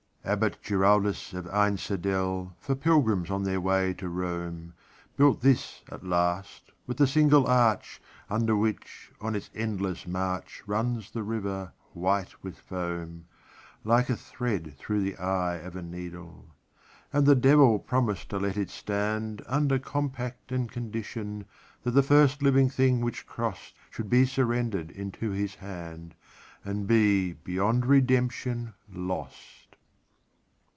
Abbot Giraldus of Einsiedel, For pilgrims on their way to Rome, Built this at last, with a single arch, Under which, on its endless march, Runs the river, white with foam, Like a thread through the eye of a needle. And the Devil promised to let it stand, Under compact and conditionThat the first living thing which crossedShould be surrendered into his hand, And be beyond redemption lost.